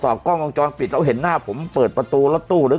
กล้องวงจรปิดเราเห็นหน้าผมเปิดประตูรถตู้หรือ